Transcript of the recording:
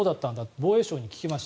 防衛省に聞きました。